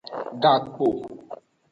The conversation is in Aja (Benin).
Gakpo.